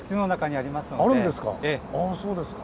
あそうですか。